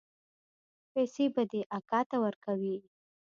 پيسې به دې اکا ته ورکوې.